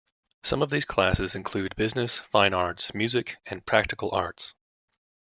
Some of these classes include business, fine arts, music, and practical arts.